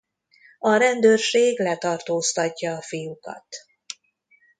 A rendőrség letartóztatja a fiúkat.